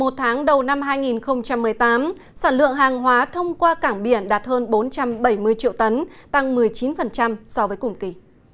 một tháng đầu năm hai nghìn một mươi tám sản lượng hàng hóa thông qua cảng biển đạt hơn bốn trăm bảy mươi triệu tấn tăng một mươi chín so với cùng kỳ